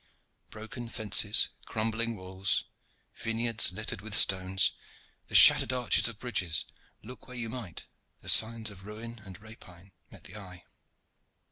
Broken fences, crumbling walls, vineyards littered with stones, the shattered arches of bridges look where you might, the signs of ruin and rapine met the eye.